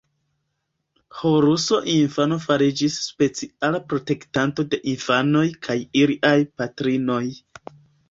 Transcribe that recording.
Horuso infano fariĝis speciala protektanto de infanoj kaj iliaj patrinoj.